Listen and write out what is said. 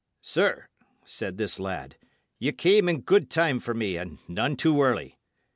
"Sir," said this lad, "ye came in good time for me, and none too early."